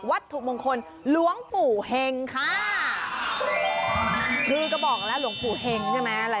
วัดถุมงคลหลวงผู้เห็งค่ะชื่อก็บอกแล้วหลวงผู้เห็งใช่ไหม